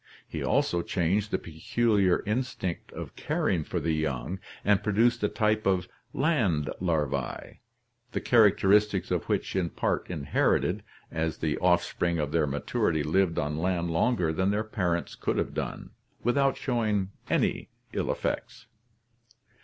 He also changed the peculiar instinct of caring for the young and produced a type of "land larvae," the characteristics of which were INHERITANCE OF ACQUIRED CHARACTERS 169 in part inherited, as the offspring of their maturity lived on land longer than their parents could have done, without showing any ill effects.